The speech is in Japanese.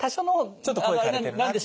ちょっと声かれてるなってね。